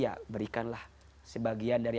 ya berikanlah sebagian dari